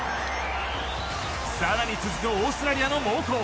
更に続くオーストラリアの猛攻。